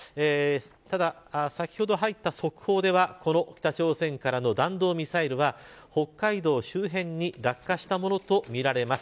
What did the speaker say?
ただ、先ほど入った速報では北朝鮮からの弾道ミサイルは北海道周辺に落下したものとみられます。